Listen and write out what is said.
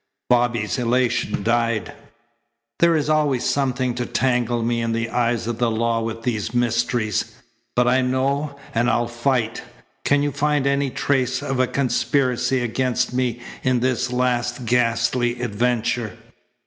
Bobby's elation died. "There is always something to tangle me in the eyes of the law with these mysteries. But I know, and I'll fight. Can you find any trace of a conspiracy against me in this last ghastly adventure?"